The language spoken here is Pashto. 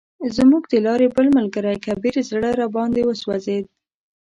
زموږ د لارې بل ملګری کبیر زړه راباندې وسوځید.